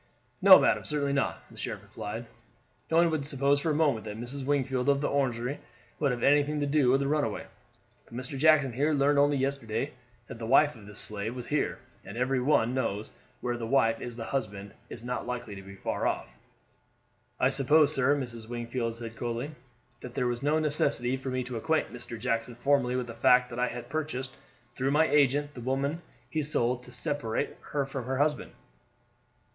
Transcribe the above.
"No, madam, certainly not," the sheriff replied; "no one would suppose for a moment that Mrs. Wingfield of the Orangery would have anything to do with a runaway, but Mr. Jackson here learned only yesterday that the wife of this slave was here, and every one knows that where the wife is the husband is not likely to be far off." "I suppose, sir," Mrs. Wingfield said coldly, "that there was no necessity for me to acquaint Mr. Jackson formerly with the fact that I had purchased through my agent the woman he sold to separate her from her husband."